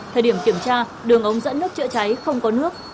thời điểm kiểm tra đường ống dẫn nước chữa cháy không có nước